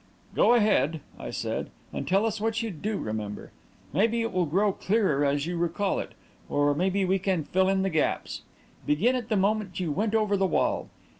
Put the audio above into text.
"Go ahead," I said, "and tell us what you do remember. Maybe it will grow clearer as you recall it, or maybe we can fill in the gaps. Begin at the moment you went over the wall.